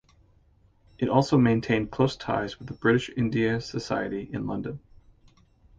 It also maintained close ties with the British India Society in London.